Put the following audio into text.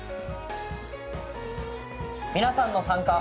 皆さんの参加。